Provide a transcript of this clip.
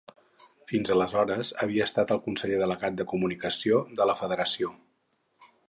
Fins aleshores havia estat el conseller delegat de comunicació de la federació.